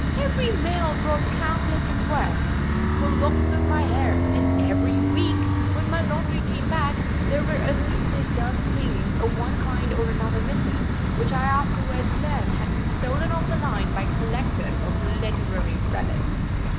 Every mail brought countless requests for locks of my hair; and every week, when my laundry came back, there were at least a dozen things of one kind or another missing, which I afterwards learned had been stolen off the line by collectors of literary relics.